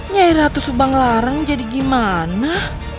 nyai ratus banglarang jadi gimana